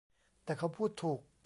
แต่เขาพูดถูก